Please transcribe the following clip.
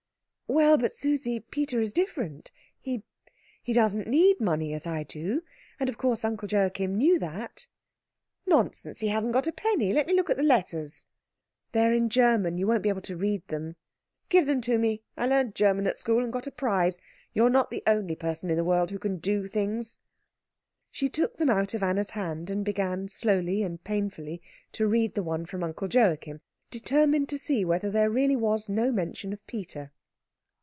"Well, but Susie, Peter is different. He he doesn't need money as I do; and of course Uncle Joachim knew that." "Nonsense. He hasn't got a penny. Let me look at the letters." "They're in German. You won't be able to read them." "Give them to me. I learned German at school, and got a prize. You're not the only person in the world who can do things." She took them out of Anna's hand, and began slowly and painfully to read the one from Uncle Joachim, determined to see whether there really was no mention of Peter.